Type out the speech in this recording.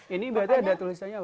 ini berarti ada tulisannya